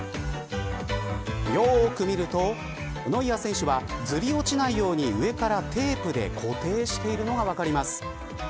よく見るとノイアー選手はずり落ちないように上からテープで固定しているのが分かります。